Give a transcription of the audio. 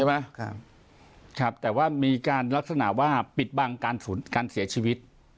ใช่ไหมครับครับแต่ว่ามีการลักษณะว่าปิดบังการสูตรการเสียชีวิต